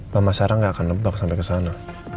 mama sarah gak akan lebak sampai ke sana